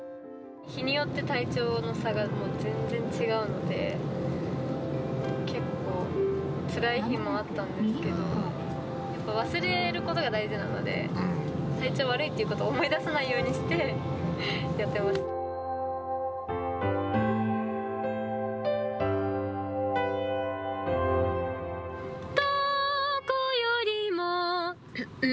日によって体調の差が全然違うので、結構、つらい日もあったんですけど、やっぱ忘れることが大事なので、体調が悪いっていうことを思い出さないようにしてやってます。